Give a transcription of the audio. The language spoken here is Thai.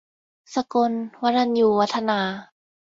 สกนธ์ วรัญญูวัฒนา